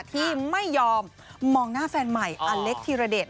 ที่ไม่ยอมมองหน้าแฟนใหม่อเล็กธิรเดช